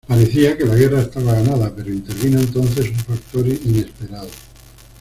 Parecía que la guerra estaba ganada, pero intervino entonces un factor inesperado.